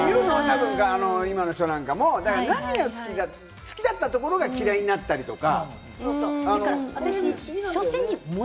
今の人なんかも、何が好きか、好きだったところが嫌いになったりとか。